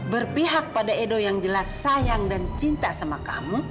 berpihak pada edo yang jelas sayang dan cinta sama kamu